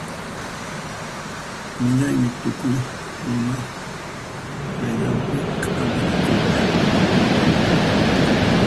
Millaymi tukuy runa qayllanpi k'aminakuyqa.